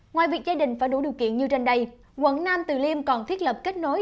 ngoài việc gia đình phải đủ điều kiện như trên đây quận nam từ liêm còn thiết lập kết nối